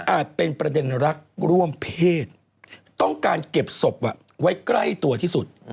เป็นประเด็นรักร่วมเพศต้องการเก็บศพไว้ใกล้ตัวที่สุด